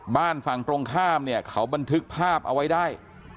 บ้านฝั่งตรงข้ามเนี่ยเขาบันทึกภาพเอาไว้ได้